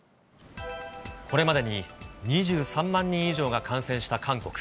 これまでに２３万人以上が感染した韓国。